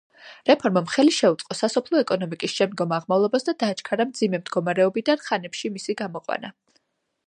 რეფორმამ ხელი შეუწყო სასოფლო ეკონომიკის შემდგომ აღმავლობას და დააჩქარა მძიმე მდგომარეობიდან ხანებში მისი გამოყვანა.